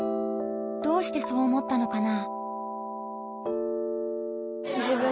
どうしてそう思ったのかな？